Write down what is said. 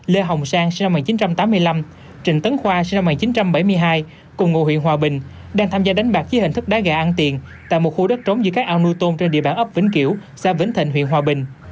lê hồng sang trịnh tấn khoa cùng ngôi huyện hòa bình đang tham gia đánh bạc dưới hình thức đá gà ăn tiền tại một khu đất trống giữa các ao nuôi tôn trên địa bản ấp vĩnh kiểu xa vĩnh thịnh huyện hòa bình